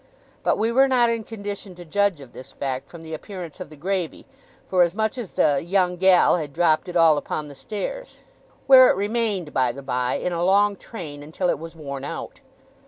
But we were not in condition to judge of this fact from the appearance of the gravy, forasmuch as the 'young gal' had dropped it all upon the stairs where it remained, by the by, in a long train, until it was worn out.